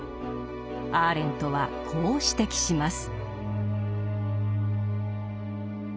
アーレントはこう指摘します。